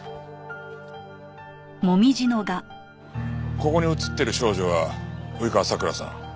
ここに写ってる少女は及川さくらさん